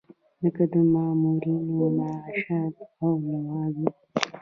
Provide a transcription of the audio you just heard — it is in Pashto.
لکه د مامورینو معاشات او لوازم.